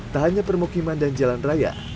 tak hanya permukiman dan jalan raya